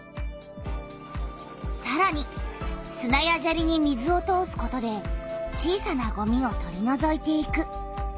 さらにすなやジャリに水を通すことで小さなゴミを取りのぞいていく。